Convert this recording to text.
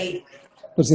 mau lebih dari